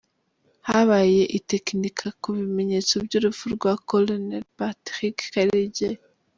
Habaye itekinika ku bimenyetso by’urupfu rwa Col Patrick Karegeya